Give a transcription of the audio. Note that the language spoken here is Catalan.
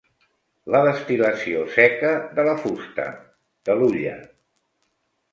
La destil·lació seca de la fusta, de l'hulla.